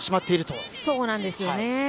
そうなんですよね。